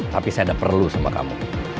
tapi saya tidak perlu sama kamu